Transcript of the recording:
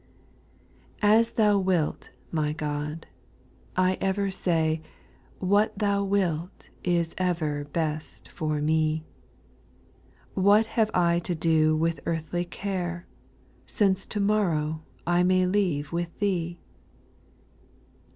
AS Thou wilt, my God ! I ever say ; ix What Thou wilt is ever best for me ; What have I to do with earthly care, Since to morrow I may leave with Thee